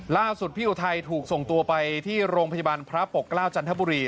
ล่าสุดพี่อุทัยถูกส่งตัวไปที่โรงพยาบาลพระปกเกล้าจันทบุรี